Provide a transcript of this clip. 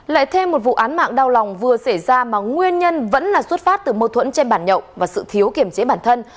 lại thêm một vụ án mạng đau lòng vừa xảy ra mà nguyên nhân vẫn là xuất phát từ mâu thuẫn trên bản nhậu và sự thiếu kiểm chế bản thân